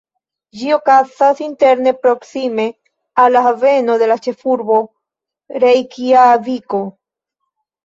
Ĝi okazas interne proksime al la haveno de la ĉefurbo, Rejkjaviko.